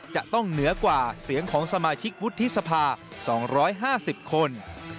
จะต้องเหนือกว่าเสียงของสมาชิกวุฒิสภา๒๕๐คน